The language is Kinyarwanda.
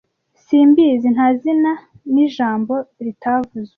Simbizi - nta zina-ni ijambo ritavuzwe,